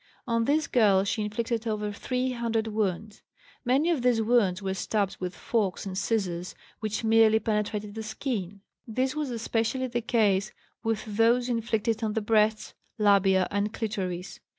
On this girl she inflicted over three hundred wounds. Many of these wounds were stabs with forks and scissors which merely penetrated the skin. This was especially the case with those inflicted on the breasts, labia, and clitoris.